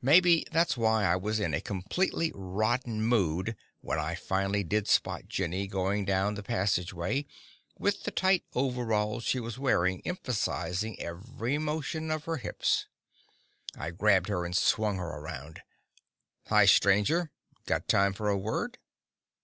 Maybe that's why I was in a completely rotten mood when I finally did spot Jenny going down the passage, with the tight coveralls she was wearing emphasizing every motion of her hips. I grabbed her and swung her around. "Hi, stranger. Got time for a word?"